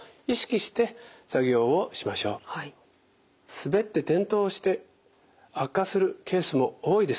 滑って転倒して悪化するケースも多いです。